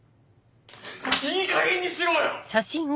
いいかげんにしろよ！